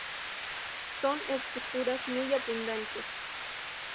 Son estructuras muy abundantes.